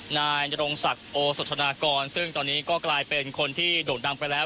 นายนรงศักดิ์โอสธนากรซึ่งตอนนี้ก็กลายเป็นคนที่โด่งดังไปแล้ว